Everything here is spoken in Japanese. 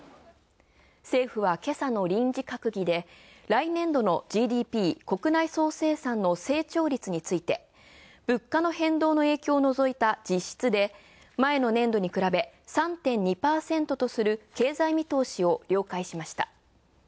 政府はけさの臨時閣議で来年度のＧＤＰ＝国内総生産の成長率について、物価の変動の影響をのぞいた実質で、前の年度にくらべ、３．２％とする経済見通しを了解しました。